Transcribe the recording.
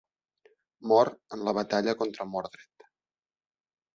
Mor en la batalla contra Mordred.